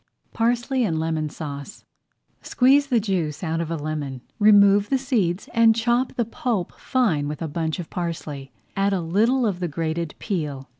PARSLEY AND LEMON SAUCE Squeeze the juice out of a lemon, remove the seeds, and chop the pulp fine with a bunch of parsley. Add a little of the grated peel.